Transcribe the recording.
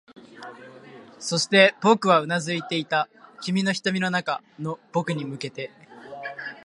そして、僕はうなずいていた、君の瞳の中の僕に向けて